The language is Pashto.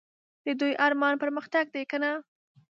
د دوی ارمان پرمختګ دی که نه ؟